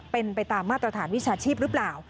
เป็นไปตามมาตรฐานวิชาชีพหรือเปล่า